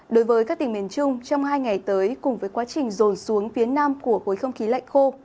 đối với các tỉnh miền trung trong hai ngày tới cùng với quá trình rồn xuống phía nam của khối không khí lạnh khô